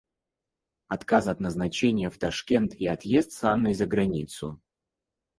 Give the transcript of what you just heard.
Отказ от назначения в Ташкент и отъезд с Анной за границу.